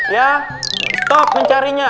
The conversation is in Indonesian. ya stop mencarinya